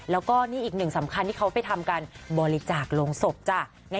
แล้วก็นี่อีกหนึ่งสำคัญที่เขาไปทำการบริจาคลงศพจ้ะ